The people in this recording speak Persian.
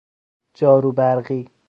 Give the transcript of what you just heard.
جاروبرقی